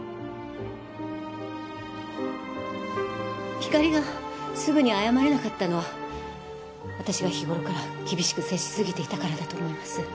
ひかりがすぐに謝れなかったのは私が日頃から厳しく接しすぎていたからだと思います。